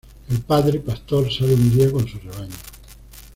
El padre, pastor, sale un día con su rebaño.